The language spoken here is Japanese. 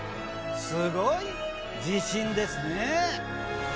すごい自信ですね。